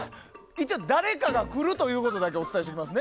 一応、誰かが来るということだけお伝えします。